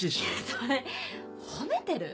それ褒めてる？